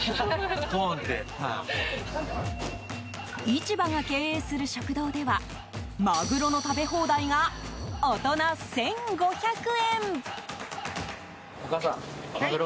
市場が経営する食堂ではマグロの食べ放題が大人１５００円。